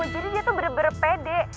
jadi dia tuh bener bener pede